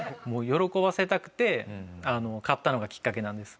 喜ばせたくて買ったのがきっかけなんです。